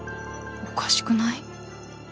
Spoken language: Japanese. おかしくない？